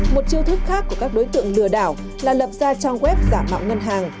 một chiêu thức khác của các đối tượng lừa đảo là lập ra trang web giả mạo ngân hàng